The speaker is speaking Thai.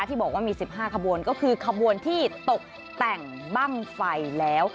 ที่บอกว่ามี๑๕ขบวนก็คือขบวนที่ตกแต่งบ้างไฟแล้ว